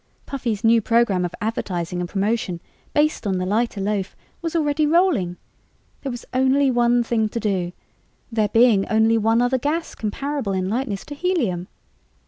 Puffy's new program of advertising and promotion, based on the lighter loaf, was already rolling. There was only one thing to do, there being only one other gas comparable in lightness to helium.